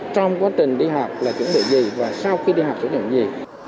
trong quá trình đi học là chuẩn bị gì và sau khi đi học sẽ chuẩn bị gì